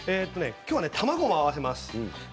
きょうは卵も合わせます。